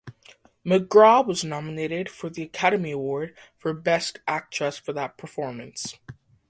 MacGraw was nominated for the Academy Award for Best Actress for that performance.